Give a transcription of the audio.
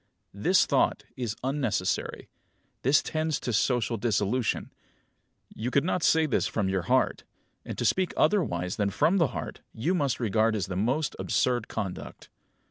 "This thought is unnecessary. This tends to social dissolution. You could not say this from your heart; and to speak otherwise than from the heart you must regard as the most absurd conduct."